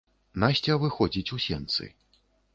Насця выходзіць у сенцы.